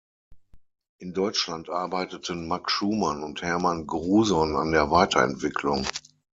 In Deutschland arbeiteten Max Schumann und Hermann Gruson an der Weiterentwicklung.